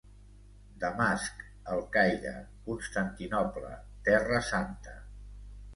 Damasc, El Caire, Constantinoble, Terra Santa.